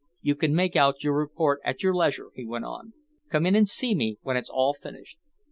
You can make out your report at your leisure," he went on. "Come in and see me when it's all finished."